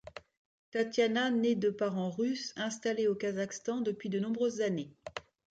Tatiana naît de parents russe installé au Kazakhstan depuis de nombreuses années.